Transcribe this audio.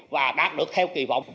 và đạt được theo kỳ vọng